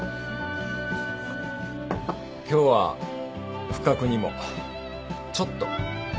今日は不覚にもちょっと楽しかった。